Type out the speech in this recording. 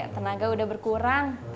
tenaga udah berkurang